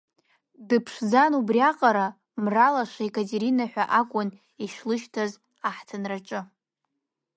Дыԥшӡан убри аҟара, Мра лаша Екатерина ҳәа акәын ишлышьҭаз аҳҭынраҿы.